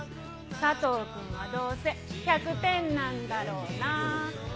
さとう君はどうせ１００点なんだろうな。